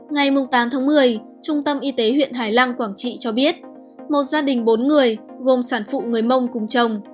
ngày tám tháng một mươi trung tâm y tế huyện hải lăng quảng trị cho biết một gia đình bốn người gồm sản phụ người mông cùng chồng